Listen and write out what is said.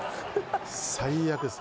最悪です。